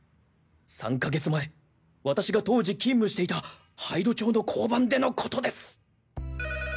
３か月前私が当時勤務していた杯戸町の交番での事です。